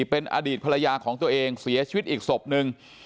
เป็นอดีตภรรยาของตัวเองเสียชีวิตอีกศพนึง